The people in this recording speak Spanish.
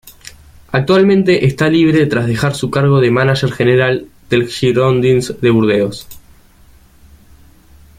Actualmente está libre tras dejar su cargo de mánager general del Girondins de Burdeos.